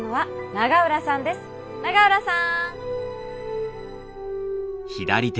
永浦さん！